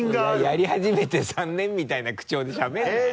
やり始めて３年みたいな口調でしゃべるなよ